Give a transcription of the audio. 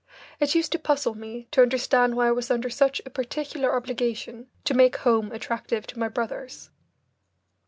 It used to puzzle me to understand why I was under such a particular obligation to make home attractive to my brothers.